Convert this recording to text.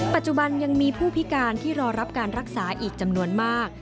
ปัจจุบันยังมีผู้พิการที่รอรับการรักษาอีกจำนวนมาก